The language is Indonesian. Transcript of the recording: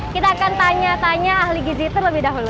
kita akan tanya tanya ahli giziter lebih dahulu